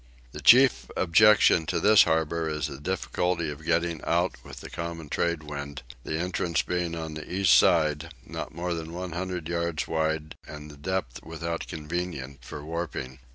The chief objection to this harbour is the difficulty of getting out with the common tradewind, the entrance being on the east side, not more than one hundred yards wide and the depth without inconvenient for warping.